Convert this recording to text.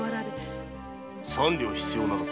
三両必要なのか。